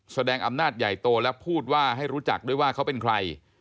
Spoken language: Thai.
แสดงอำนาจใหญ่โตและพูดว่าให้รู้จักด้วยว่าเขาเป็นใคร